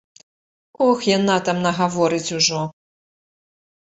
Ох, яна там нагаворыць ужо!